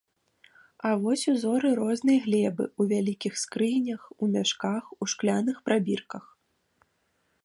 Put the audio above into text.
А вось узоры рознай глебы ў вялікіх скрынях, у мяшках, у шкляных прабірках.